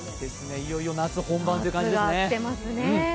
いよいよ夏本番という感じですね。